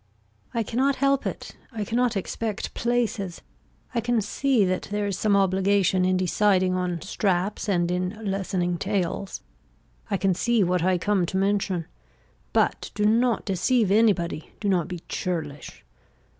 I cannot help it. I cannot expect places. I can see that there is some obligation in deciding on straps and in lessening tails. I can see what I come to mention. But do not deceive anybody, do not be churlish.